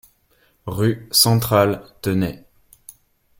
Rue Centrale, Tenay